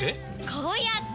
こうやって！